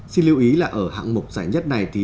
xin lưu ý là ở hạng mục giải nhất này